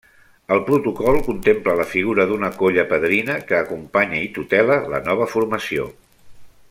El protocol contempla la figura d'una colla padrina que acompanya i tutela la nova formació.